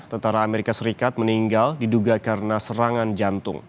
tentara amerika serikat meninggal diduga karena serangan jantung